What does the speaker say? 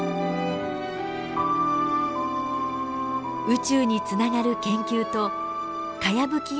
宇宙につながる研究とかやぶき